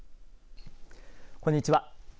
こんにちは。